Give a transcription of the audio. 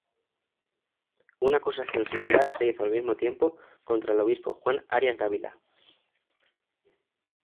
Una acusación similar se hizo al mismo tiempo contra el obispo Juan Arias Dávila.